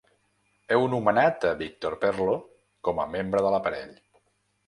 Heu nomenat a Victor Perlo com a membre de l'aparell.